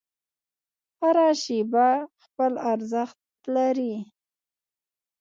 هره شیبه خپل ارزښت لري.